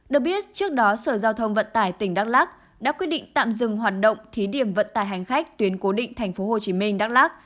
được biết trước đó sở giao thông vận tải tỉnh đắk lắc đã quyết định tạm dừng hoạt động thí điểm vận tải hành khách tuyến cố định tp hcm đắk lắc